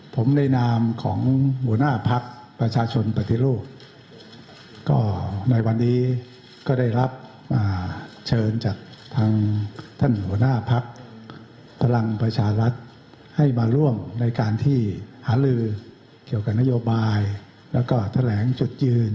ผมในนามของหัวหน้าปักประชาชนปฏิลูก็ได้รับเชิญจากท่านหัวหน้าปักทะลังประชารัตถ์ให้มาร่วมในการที่หารือแยกนโยบายและแถแหลงจุดยืน